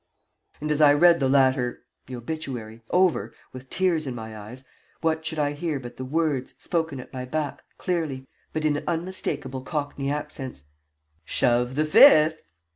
And as I read the latter the obituary over, with tears in my eyes, what should I hear but the words, spoken at my back, clearly, but in unmistakable cockney accents, "Shove the fifth!"